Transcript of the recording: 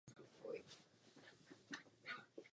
Tam setrval do konce života.